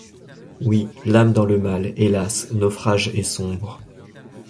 Oui, l’âme dans le mal, hélas, naufrage et sombre.